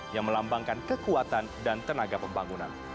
yang melambangkan kekuatan dan tenaga pembangunan